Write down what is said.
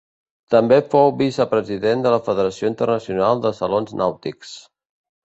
També fou vicepresident de la Federació Internacional de Salons Nàutics.